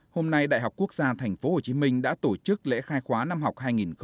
hôm nay đại học quốc gia tp hcm đã tổ chức lễ khai khóa năm học hai nghìn hai mươi